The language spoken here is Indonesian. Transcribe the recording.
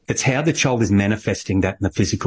itu bagaimana anak anak itu menyebabkan itu di dunia fisik